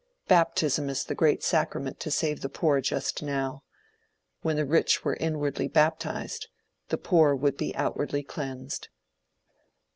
Baptism is the great sacrament to save the poor just now; when the rich were inwardly baptized, the poor would be outwardly cleansed.